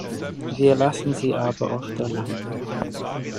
Wir lassen sie aber oft alleine.